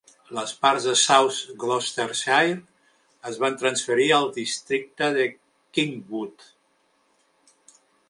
Les parts de South Gloucestershire es van transferir al districte de Kingwood.